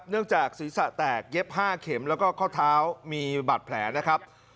เนื่องจากศีรษะแตกเย็บ๕เข็มแล้วก็ข้อเท้ามีบาดแผลนะครับ